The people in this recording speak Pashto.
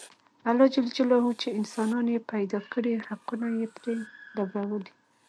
الله ج چې انسانان یې پیدا کړي حقونه یې پرې لورولي.